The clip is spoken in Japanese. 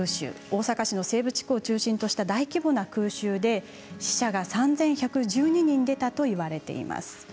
大阪市の西部地区を中心とした大規模な空襲で死者が３１１２人出たと言われています。